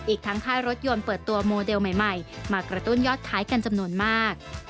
อีกทั้งค่ายรถยนต์เปิดตัวโมเดลใหม่มากระตุ้นยอดขายกันจำนวนมาก